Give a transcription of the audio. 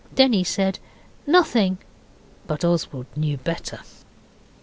Denny said, 'Nothing', but Oswald knew better.